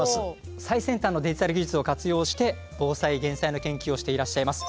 最先端のデジタル技術を活用して防災減災の研究をしていらっしゃいます